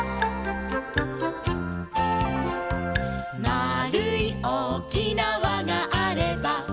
「まあるいおおきなわがあれば」